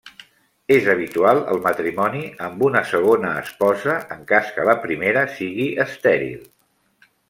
És habitual el matrimoni amb una segona esposa en cas que la primera sigui estèril.